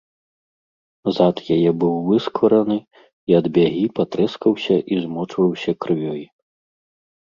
Зад яе быў высквараны і ад бягі патрэскаўся і змочваўся крывёй.